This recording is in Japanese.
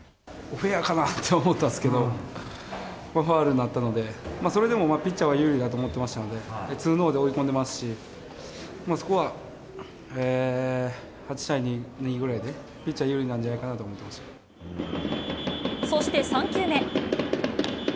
フェアかなと思ったんですけど、ファウルになったので、それでもピッチャーは有利だと思ってましたので、ツーノーで追い込んでますし、そこは８対２ぐらいでピッチャー有利なんじゃないかなと思ってまそして３球目。